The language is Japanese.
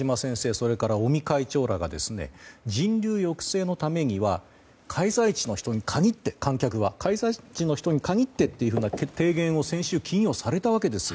それから尾身会長らが人流抑制のためには、観戦は開催地の人に限ってという提言を先週金曜にされたわけです。